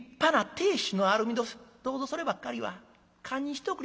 どうぞそればっかりは堪忍しておくれやす」。